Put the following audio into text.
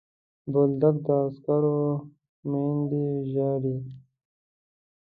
بولدک د عسکرو میندې ژاړي.